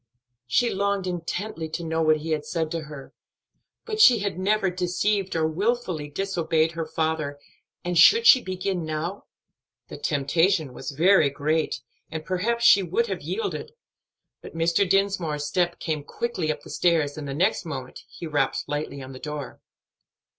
She longed intently to know what he had said to her; but she had never deceived or wilfully disobeyed her father, and should she begin now? The temptation was very great, and perhaps she would have yielded; but Mr. Dinsmore's step came quickly up the stairs, and the next moment he rapped lightly on the door.